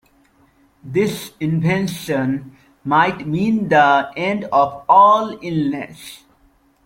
This invention might mean the end of all illness.